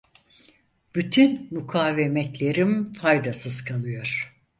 Bütün mukavemetlerim faydasız kalıyor.